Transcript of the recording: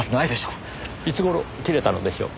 いつ頃切れたのでしょう？